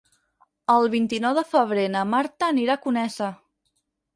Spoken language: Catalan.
El vint-i-nou de febrer na Marta anirà a Conesa.